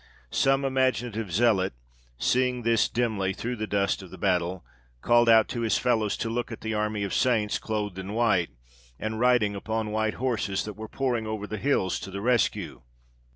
Some imaginative zealot, seeing this dimly through the dust of the battle, called out to his fellows, to look at the army of saints, clothed in white, and riding upon white horses, that were pouring over the hills to the rescue.